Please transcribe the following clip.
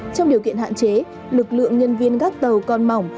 trong điều kiện hạn chế lực lượng nhân viên gác tàu còn mỏng